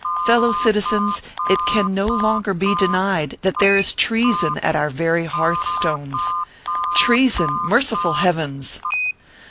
Fellow citizens, it can no longer be denied that there is treason at our very hearthstones. Treason merciful Heavens